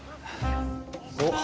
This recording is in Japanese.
おっ。